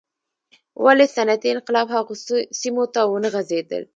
ولې صنعتي انقلاب هغو سیمو ته ونه غځېدل.